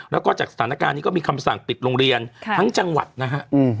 แล้วก็จากสถานการณ์นี้ก็มีคำสั่งปิดโรงเรียนทั้งจังหวัดนะฮะ